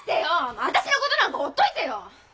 もうわたしのことなんかほっといてよ！